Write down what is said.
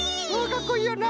かっこいいよな。